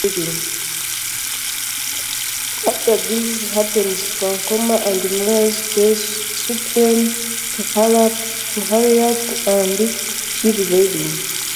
After this happens, Pancamo and Morales tell Supreme to hurry up and kill Redding.